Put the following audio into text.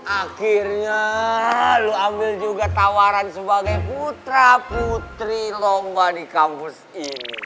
akhirnya lu ambil juga tawaran sebagai putra putri lomba di kampus ini